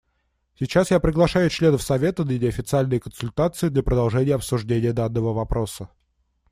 Сейчас я приглашаю членов Совета на неофициальные консультации для продолжения обсуждения данного вопроса.